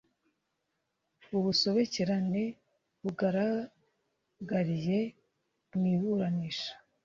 ubusobekerane bugaragariye mu iburanisha